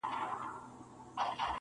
وزرماتي زاڼي ګرځي آشیانه له کومه راوړو-